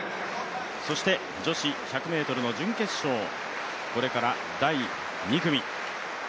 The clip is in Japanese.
女子１００ｍの準決勝、これから第２組。